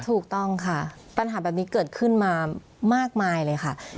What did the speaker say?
ถูกต้องค่ะปัญหาแบบนี้เกิดขึ้นมามากมายเลยค่ะ